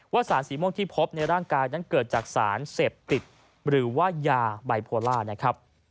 สารสีม่วงที่พบในร่างกายนั้นเกิดจากสารเสพติดหรือว่ายาไบโพล่านะครับ